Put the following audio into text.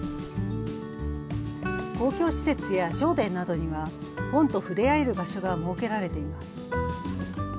公共施設や商店などには本と触れ合える場所が設けられています。